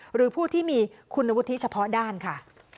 หรือผู้ที่มีคุณวุฒิเฉพาะด้านค่ะ